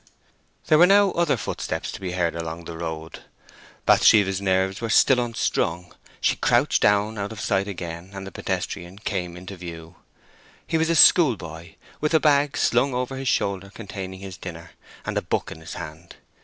There were now other footsteps to be heard along the road. Bathsheba's nerves were still unstrung: she crouched down out of sight again, and the pedestrian came into view. He was a schoolboy, with a bag slung over his shoulder containing his dinner, and a book in his hand.